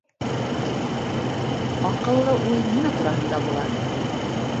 Аҡыллы уй нимә тураһында була?